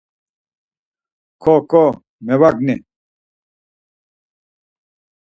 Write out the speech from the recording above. Xo, Xo, mevagni.